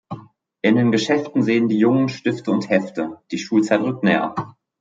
In den Geschäften sehen die Jungen Stifte und Hefte: Die Schulzeit rückt näher.